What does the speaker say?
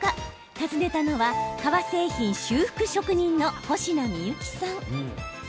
訪ねたのは革製品修復職人の保科美幸さん。